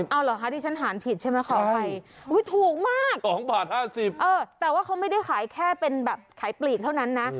เอาเหรอคะที่ฉันหารผิดใช่ไหมขออภัยถูกมาก๒บาท๕๐แต่ว่าเขาไม่ได้ขายแค่เป็นแบบขายปลีกเท่านั้นนะ